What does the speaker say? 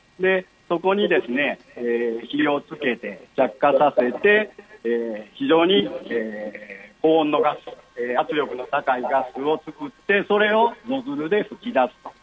そこに火をつけて、着火させて、非常に高温のガス、圧力の高いガスを作って、それをノズルで噴き出すと。